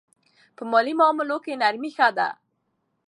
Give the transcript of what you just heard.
په مالي معاملو کې نرمي ښه ده.